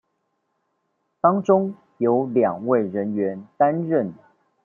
當中有兩位人員擔任